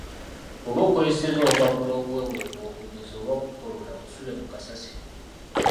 Bw’oba okozesezza obupapula obuweweevu okunyiza oba okukolola, busuule mu kasasiro.